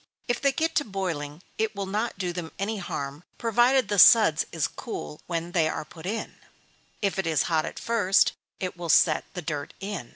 If they get to boiling, it will not do them any harm, provided the suds is cool when they are put in; if it is hot at first, it will set the dirt in.